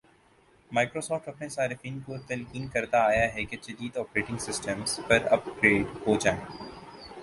Microsoft اپنے صارفین کو تلقین کرتا آیا ہے کہ جدید آپریٹنگ سسٹمز پر اپ گریڈ ہوجائیں